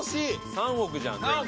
３億じゃん全部。